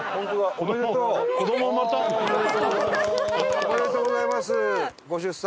おめでとうございますご出産。